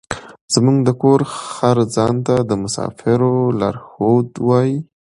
زموږ د کور خر ځان ته د مسافرو لارښود وايي.